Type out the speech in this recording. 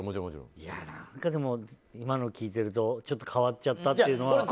でも今の聞いてるとちょっと変わっちゃったっていうのが。